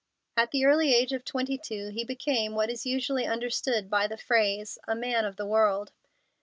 At the early age of twenty two he became what is usually understood by the phrase "a man of the world."